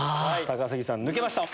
高杉さん抜けました。